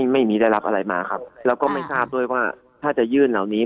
ไม่มีได้รับอะไรมาครับแล้วก็ไม่ทราบด้วยว่าถ้าจะยื่นเหล่านี้